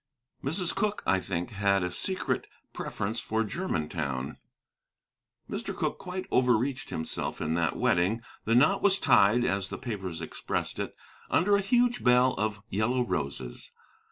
Mrs. Cooke, I think, had a secret preference for Germantown. Mr. Cooke quite over reached himself in that wedding. "The knot was tied," as the papers expressed it, "under a huge bell of yellow roses."